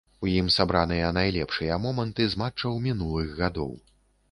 У ім сабраныя найлепшыя моманты з матчаў мінулых гадоў.